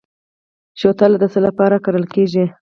شوتله د څه لپاره کرل کیږي؟